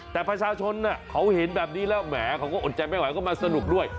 แต่ประชาชนเขาเห็นแบบนี้แล้วแหมเขาก็อดใจไม่ไหวก็มาสนุกด้วย